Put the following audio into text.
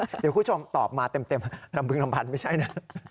เดี๋ยวคุณผู้ชมตอบมาเต็มลำบึงลำพันไม่ใช่นะ